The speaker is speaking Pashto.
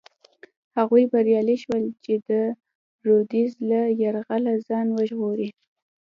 هغوی بریالي شول چې د رودز له یرغله ځان وژغوري.